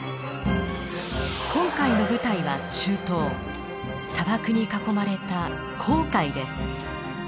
今回の舞台は中東砂漠に囲まれた紅海です。